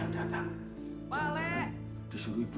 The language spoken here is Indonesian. jangan disuruh ibu